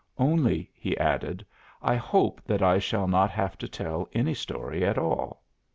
Only," he added, "I hope that I shall not have to tell any story at all."